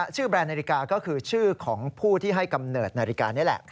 แบรนด์นาฬิกาก็คือชื่อของผู้ที่ให้กำเนิดนาฬิกานี่แหละ